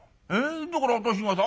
だから私がさ